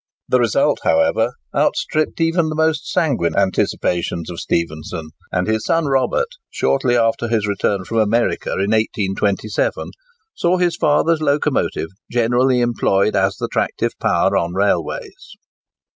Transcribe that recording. The result, however, outstripped even the most sanguine anticipations of Stephenson; and his son Robert, shortly after his return from America in 1827, saw his father's locomotive generally employed as the tractive power on railways.